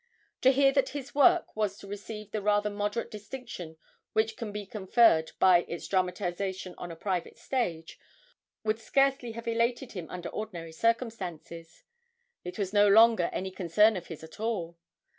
To hear that his work was to receive the rather moderate distinction which can be conferred by its dramatisation on a private stage would scarcely have elated him under ordinary circumstances; it was no longer any concern of his at all.